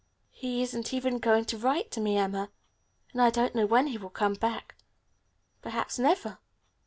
He isn't even going to write to me, Emma, and I don't know when he will come back. Perhaps never.